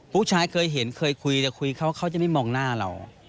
ผู้ชายเคยเห็นเคยคุยแต่คุยเขาเขาจะไม่มองหน้าเรา